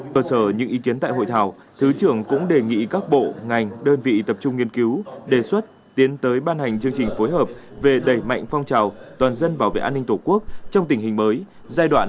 tờ sở những ý kiến tại hội thảo thứ trưởng cũng đề nghị các bộ ngành đơn vị tập trung nghiên cứu đề xuất tiến tới ban hành chương trình phối hợp về đẩy mạnh phong trào toàn dân bảo vệ an ninh tổ quốc trong tình hình mới giai đoạn hai nghìn hai mươi ba hai nghìn ba mươi bốn